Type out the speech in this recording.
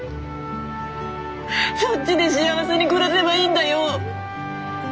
そっちで幸せに暮らせばいいんだよ。